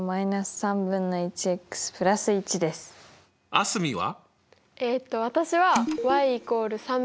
蒼澄は？